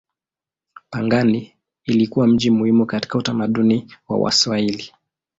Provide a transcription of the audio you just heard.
Pangani ilikuwa mji muhimu katika utamaduni wa Waswahili.